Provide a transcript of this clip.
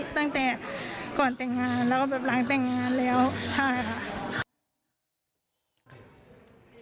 ตั้งแต่ก่อนแต่งงานแล้วก็แบบหลังแต่งงานแล้วใช่ค่ะ